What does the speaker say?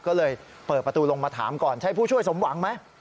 ก็เลยเปิดประตูลงมาถามก่อนใช้ผู้ช่วยสมหวังไหม